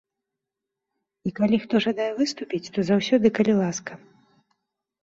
І калі хто жадае выступіць, то заўсёды калі ласка.